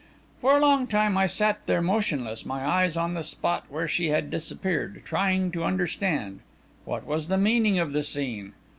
For a long time I sat there motionless, my eyes on the spot where she had disappeared, trying to understand. What was the meaning of the scene?